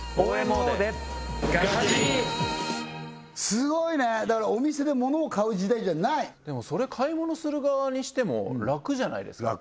すごいねだからお店で物を買う時代じゃないでもそれ買い物する側にしても楽じゃないですか？